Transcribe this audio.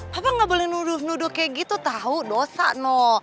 bapak nggak boleh nuduh nuduh kayak gitu tahu dosa no